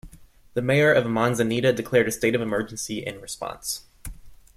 The mayor of Manzanita declared a state of emergency in response.